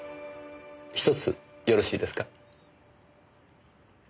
ひとつよろしいですか？